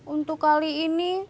untuk kali ini